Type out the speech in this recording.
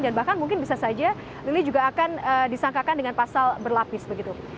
dan bahkan mungkin bisa saja lili juga akan disangkakan dengan pasal berlapis begitu